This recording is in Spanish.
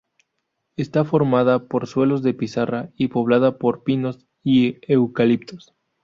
Está formada por suelos de pizarra y poblada por pinos y eucaliptos.